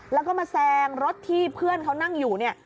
แล้วก็มาแซงรถที่เพื่อนเขานั่งอยู่เนี่ย